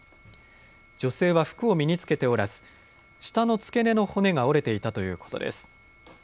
女性は服を身に着けておらず舌の付け根の骨が折れていたということです。